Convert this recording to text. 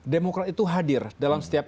demokrat itu hadir dalam setiap